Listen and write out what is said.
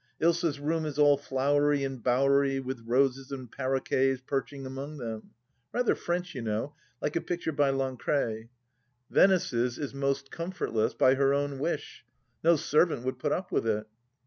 Ilsa's room is all flowery and bowery, with roses and paroquets perching among them. Rather French, you know, like a picture by Lancret. Venice's is most comfortless, by her own wish; no servant would put up with it.